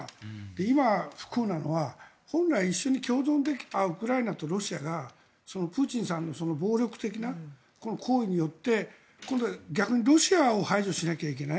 今、不幸なのは本来一緒に共存できたウクライナとロシアがプーチンさんの暴力的な行為によって、逆にロシアを排除しないといけない。